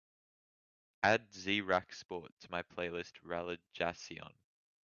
Add ze rak sport to my playlist Relajación